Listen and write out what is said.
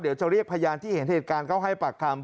เดี๋ยวจะเรียกพยานที่เห็นเหตุการณ์เข้าให้ปากคำ